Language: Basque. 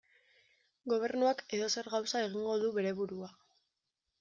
Gobernuak edozer gauza egingo du bere burua.